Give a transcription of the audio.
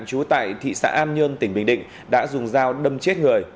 chú tại thị xã an nhơn tỉnh bình định đã dùng dao đâm chết người